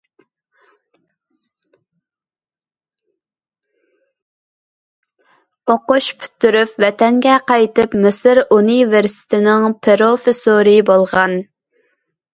ئوقۇش پۈتتۈرۈپ ۋەتەنگە قايتىپ، مىسىر ئۇنىۋېرسىتېتىنىڭ پىروفېسسورى بولغان.